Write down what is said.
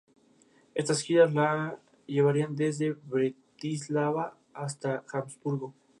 Fue el vencedor de un concurso en el que se probaron doce modelos.